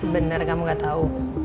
bener kamu gak tau